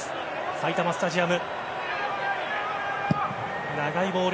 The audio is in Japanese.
埼玉スタジアム。